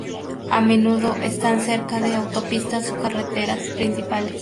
A menudo están cerca de autopistas o carreteras principales.